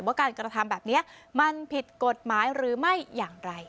ว่าการกระทำแบบนี้มันผิดกฎหมายหรือไม่อย่างไร